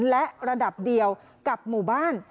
และระดับเดียวกับหมู่บ้าน